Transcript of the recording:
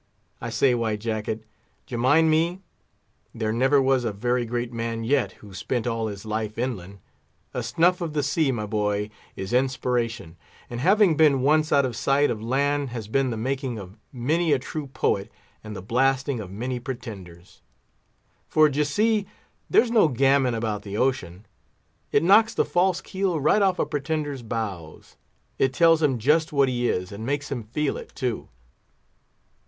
I say, White Jacket, d'ye mind me? there never was a very great man yet who spent all his life inland. A snuff of the sea, my boy, is inspiration; and having been once out of sight of land, has been the making of many a true poet and the blasting of many pretenders; for, d'ye see, there's no gammon about the ocean; it knocks the false keel right off a pretender's bows; it tells him just what he is, and makes him feel it, too.